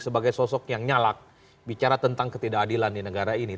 sebagai sosok yang nyalak bicara tentang ketidakadilan di negara ini